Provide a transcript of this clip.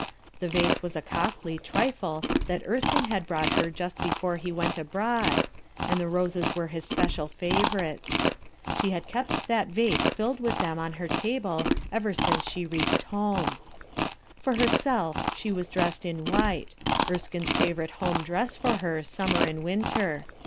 The vase was a costly trifle that Erskine had brought her just before bo went abroad, and the roses were hi* special 122 KUTII ERSKINE'S SON favorites. She had kept that vase filled wit] them on her table ever since she reached home For herself, she was dressed in white: E r skine's favorite home dress for her, summer and winter.